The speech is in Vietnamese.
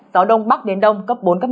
gió đông bắc đến đông cấp bốn cấp năm